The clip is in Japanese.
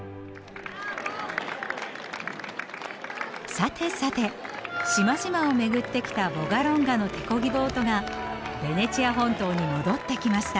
さてさて島々を巡ってきたヴォガロンガの手漕ぎボートがベネチア本島に戻ってきました。